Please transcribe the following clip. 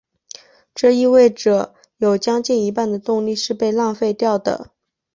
这意味者有将近一半的动力是被浪费掉的。